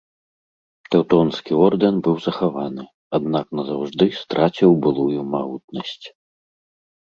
Тэўтонскі ордэн быў захаваны, аднак назаўжды страціў былую магутнасць.